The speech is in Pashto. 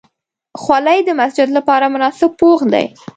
خولۍ د مسجد لپاره مناسب پوښ دی.